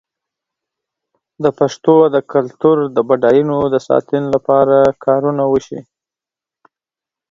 د پښتو د کلتور د بډاینو د ساتنې لپاره کارونه وشي.